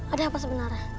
ada apa sebenarnya